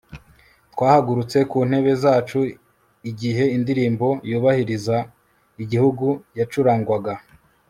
twahagurutse ku ntebe zacu igihe indirimbo yubahiriza igihugu yacurangwaga